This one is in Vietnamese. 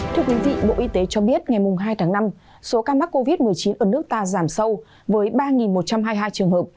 thưa quý vị bộ y tế cho biết ngày hai tháng năm số ca mắc covid một mươi chín ở nước ta giảm sâu với ba một trăm hai mươi hai trường hợp